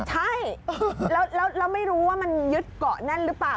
ใช่แล้วไม่รู้ว่ามันยึดเกาะแน่นหรือเปล่า